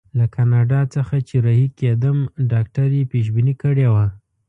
له کاناډا څخه چې رهي کېدم ډاکټر یې پېشبیني کړې وه.